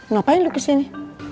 ngapain lu kesini